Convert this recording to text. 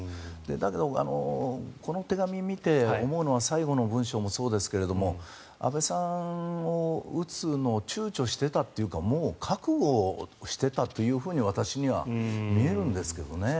だけど、この手紙を見て思うのは最後の文章もそうですが安倍さんを撃つのを躊躇していたというかもう覚悟をしてたと私には見えるんですけどね。